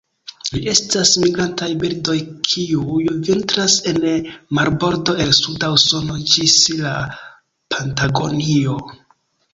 Ili estas migrantaj birdoj kiuj vintras en marbordo el suda Usono ĝis la Patagonio.